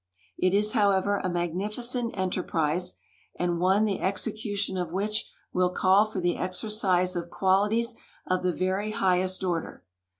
It is, however, a magnificent enterprise and one the exe cution of which will call for the exercise of qualities of the very highest order.